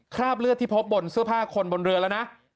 คราบเลือดที่พบบนเสื้อผ้าคนบนเรือแล้วนะ